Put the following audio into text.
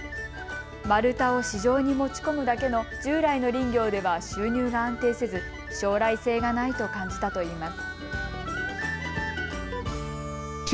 丸太を市場に持ち込むだけの従来の林業では収入が安定せず将来性がないと感じたといいます。